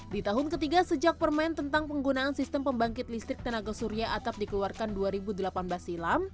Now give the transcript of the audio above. di tahun ketiga sejak permen tentang penggunaan sistem pembangkit listrik tenaga surya atap dikeluarkan dua ribu delapan belas silam